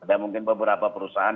ada mungkin beberapa perusahaan